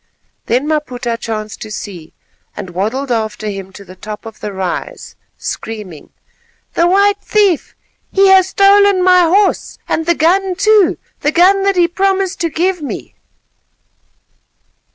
Then Maputa chanced to see, and waddled after him to the top of the rise, screaming:— "The white thief, he has stolen my horse, and the gun too, the gun that he promised to give me."